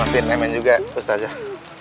maafin emen juga ustazah